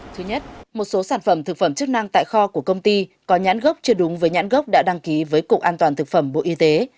thứ nhất một số sản phẩm thực phẩm chức năng tại kho của công ty có nhãn gốc chưa đúng với nhãn gốc đã đăng ký với cục an toàn thực phẩm bộ y tế